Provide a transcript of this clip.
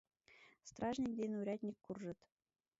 Стражник ден урядник куржыт.